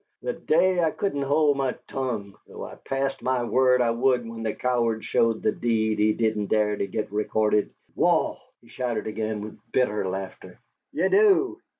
The day I couldn't hold my tongue, though I passed my word I would when the coward showed the deed he didn't dare to git recorded! Waugh!" He shouted again, with bitter laughter. "Ye do!